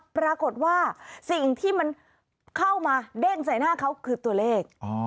ปรากฏว่าสิ่งที่มันเข้ามาเด้งใส่หน้าเขาคือตัวเลข